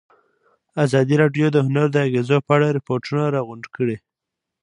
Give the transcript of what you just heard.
ازادي راډیو د هنر د اغېزو په اړه ریپوټونه راغونډ کړي.